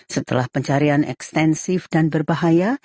setelah pencarian ekstensif dan berbahaya